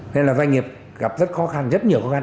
nên là doanh nghiệp gặp rất khó khăn rất nhiều khó khăn